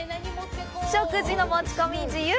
食事の持ち込み自由！